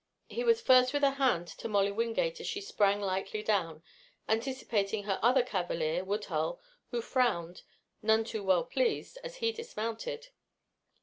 He was first with a hand to Molly Wingate as she sprang lightly down, anticipating her other cavalier, Woodhull, who frowned, none too well pleased, as he dismounted.